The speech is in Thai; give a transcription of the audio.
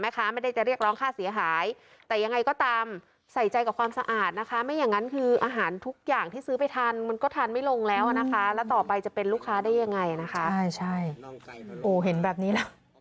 มันไม่น่ามีอ่ะโครงงานมันไม่น่ามี